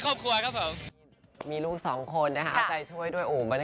ครอบครัวครับผมมีลูกสองคนนะฮะใจช่วยด้วยอุ๋บรร